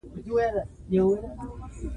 افغانستان د فاریاب په اړه علمي څېړنې لري.